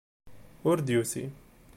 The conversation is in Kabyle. Ur d-yusi.